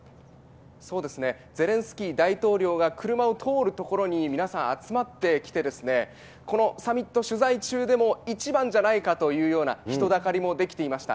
ゼレンスキー大統領が車を通る所に皆さん集まってきてですね、このサミット取材中でも、一番じゃないかというような人だかりも出来ていました。